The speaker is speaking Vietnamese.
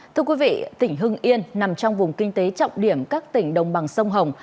thưa quý vị tỉnh hưng yên nằm trong vùng kinh tế trọng điểm các tỉnh đồng bằng sông hồng